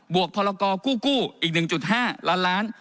วกพรกู้อีก๑๕ล้านล้าน